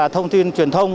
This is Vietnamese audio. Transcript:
thông tin truyền thông